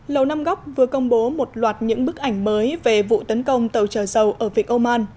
lầu nam góc vừa công bố một loạt những bức ảnh mới về vụ tấn công tàu trợ dầu ở vịnh omar